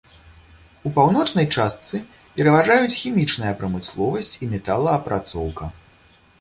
У паўночнай частцы пераважаюць хімічная прамысловасць і металаапрацоўка.